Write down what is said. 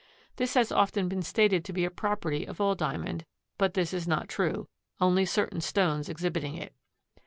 This has often been stated to be a property of all Diamond, but this is not true, only certain stones exhibiting it.